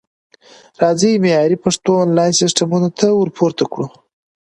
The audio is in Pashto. راځئ معیاري پښتو انلاین سیستمونو ته ورپوره کړو